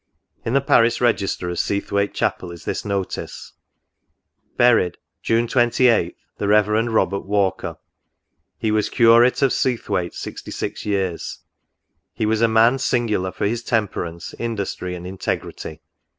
In the parish register of Seathwaite Chapel, is this notice :" Buried, June 28th, the Rev. Robert Walker. He was curate of Seathwaite sixty six years. He was a man singu lar for his temperance, industry, and integrity."